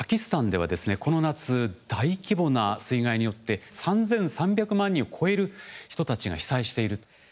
この夏大規模な水害によって３，３００万人を超える人たちが被災していると。